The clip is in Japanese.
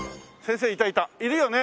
いるよね？